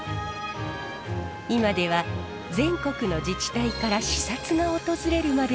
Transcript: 今では全国の自治体から視察が訪れるまでになりました。